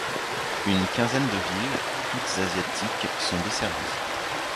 Une quinzaine de villes, toutes asiatiques, sont desservies.